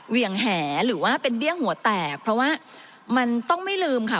เหวี่ยงแหหรือว่าเป็นเบี้ยงหัวแตกเพราะว่ามันต้องไม่ลืมค่ะ